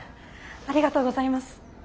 ありがとうございます。